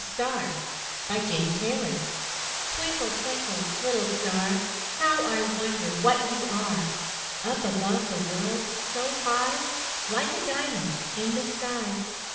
373 MY BOOK HOUSE THE STAR Twinkle, twinkle, little star. How I wonder what you are! Up above the world, so high, Like a diamond in the sky.